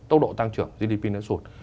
tốc độ tăng trưởng gdp nó sụt